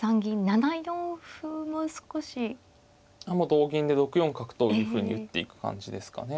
同銀で６四角というふうに打っていく感じですかね。